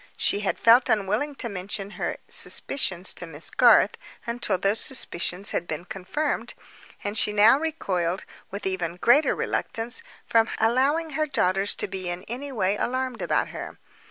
She had felt unwilling to mention her suspicions to Miss Garth, until those suspicions had been confirmed—and she now recoiled, with even greater reluctance, from allowing her daughters to be in any way alarmed about her.